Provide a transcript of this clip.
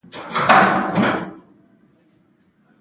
په ژوند کښي دا وګوره، چي خلک ستا په اړه څه وايي.